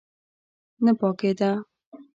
نه پاکېده.